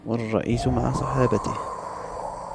وَالرَّئِيسِ مَعَ صَحَابَتِهِ